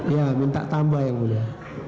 ya minta tambah yang mulia